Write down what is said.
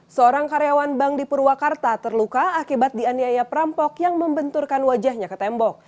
seorang karyawan bank di purwakarta terluka akibat dianiaya perampok yang membenturkan wajahnya ke tembok